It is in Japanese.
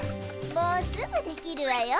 もうすぐ出来るわよ。